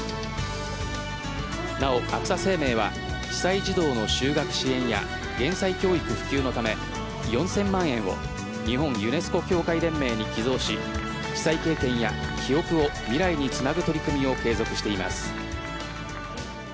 なお、アクサ生命は被災児童の就学支援や減災教育普及のため４０００万円を日本ユネスコ協会連盟に寄贈し被災経験や記憶を未来につなぐ取り組みを継続しています。